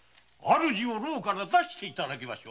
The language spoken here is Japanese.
主を牢から出していただきましょう！